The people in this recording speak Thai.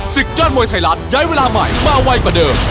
สิทธิ์ยอดมวยไทยรัตน์ย้ายเวลาใหม่มาไวกว่าเดิม